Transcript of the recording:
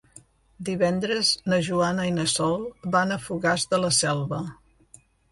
Divendres na Joana i na Sol van a Fogars de la Selva.